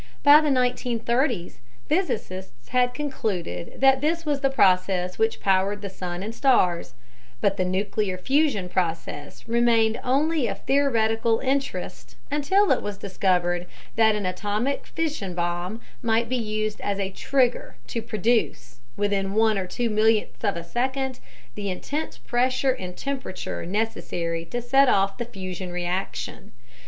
By the 1930's, physicists had concluded that this was the process which powered the sun and stars; but the nuclear fusion process remained only of theoretical interest until it was discovered that an atomic fission bomb might be used as a "trigger" to produce, within one or two millionths of a second, the intense pressure and temperature necessary to set off the fusion reaction.